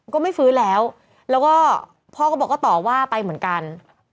ก็ไม่ฟื้นแล้วแล้วก็พ่อก็บอกก็ต่อว่าไปเหมือนกัน